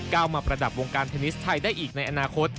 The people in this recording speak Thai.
มาประดับวงการเทนนิสไทยได้อีกในอนาคต